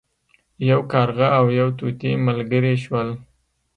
یو کارغه او یو طوطي ملګري شول.